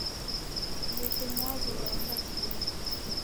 Weke mwaw'u waenda wupenyi